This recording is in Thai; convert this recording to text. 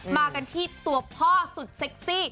มากันที่ตัวพ่อสุดเซ็กซี่